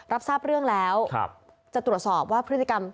รับทราบเรื่องแล้วจะตรวจสอบว่าพฤติกรรม